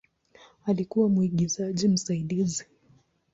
Alikuwa mwigizaji msaidizi.